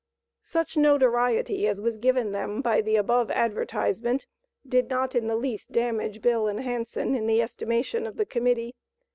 Such notoriety as was given them by the above advertisement, did not in the least damage Bill and Hanson in the estimation of the Committee.